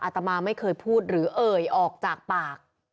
ตมาไม่เคยพูดหรือเอ่ยออกจากปาก